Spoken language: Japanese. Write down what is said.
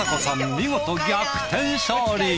見事逆転勝利。